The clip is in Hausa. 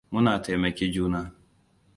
Mu taimaki juna.